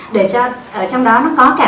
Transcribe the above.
để cho ở trong đó nó có cả